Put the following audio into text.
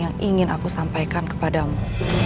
yang ingin aku sampaikan kepadamu